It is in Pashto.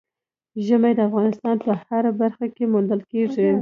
ژمی د افغانستان په هره برخه کې موندل کېږي.